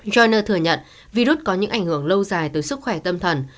graner thừa nhận virus có những ảnh hưởng lâu dài tới sức khỏe tâm thần